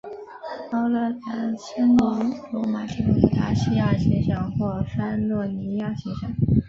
奥勒良生于罗马帝国的达西亚行省或潘诺尼亚行省。